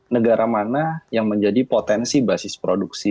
negara mana yang menjadi potensi basis produksi